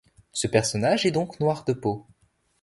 Ce personnage est donc noir de peau.